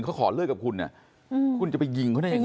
เขาขอเลิกกับคุณเนี่ยคุณจะไปยิงเขาได้ยังไง